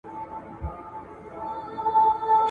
په عمر کشر، په عقل مشر !.